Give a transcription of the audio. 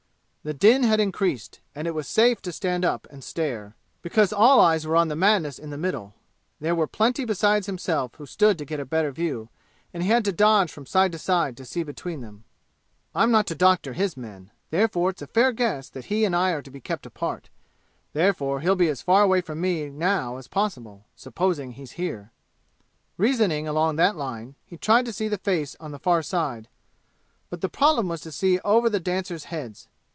The din had increased, and it was safe to stand up and stare, because all eyes were on the madness in the middle. There were plenty besides himself who stood to get a better view, and he had to dodge from side to side to see between them. "I'm not to doctor his men. Therefore it's a fair guess that he and I are to be kept apart. Therefore he'll be as far away from me now as possible, supposing he's here." Reasoning along that line, he tried to see the face on the far side, but the problem was to see over the dancers' heads.